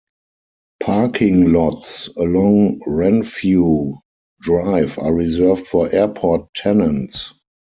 Parking lots along Renfrew Drive are reserved for airport tenants.